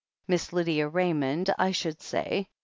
Miss Lydia Ray mond, I should say.